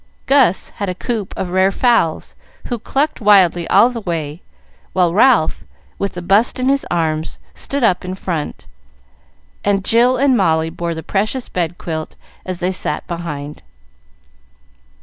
Gus had a coop of rare fowls, who clucked wildly all the way, while Ralph, with the bust in his arms, stood up in front, and Jill and Molly bore the precious bedquilt, as they sat behind.